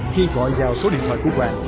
khi gọi vào số điện thoại của hoàng